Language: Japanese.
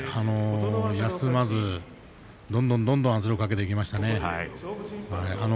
休まず、どんどん圧力をかけていきましたね。